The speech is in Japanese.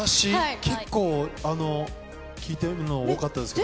結構、聴いてるの多かったですけど。